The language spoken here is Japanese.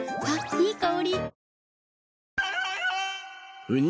いい香り。